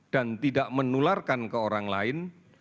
dan tidak menularkan ke orang lain